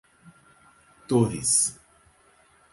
Torres